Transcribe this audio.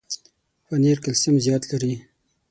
پنېر کلسیم زیات لري.